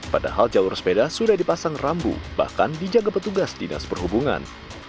padahal jalur sepeda sudah dipasang rambu bahkan dijaga petugas dinas perhubungan